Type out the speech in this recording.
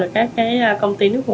hoặc là các công ty nước ngoài